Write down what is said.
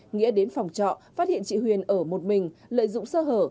nghĩa đến phòng trọ phát hiện chị huyền ở một mình lợi dụng sơ hở